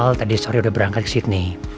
kalau tadi sore udah berangkat ke sydney